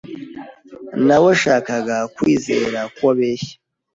Naweshakaga kwizera ko abeshya.